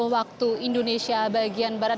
waktu indonesia bagian barat